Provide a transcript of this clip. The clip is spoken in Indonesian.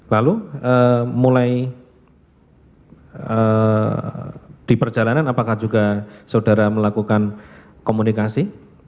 lalu mulai diperjalanan apakah juga saudara melakukan komunikasi